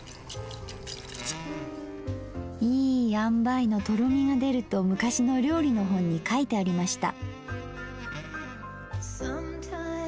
いい塩梅のとろみが出ると昔の料理の本に書いてありました。